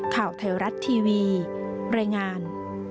ข่าวไทยรัฐทีวีรายงาน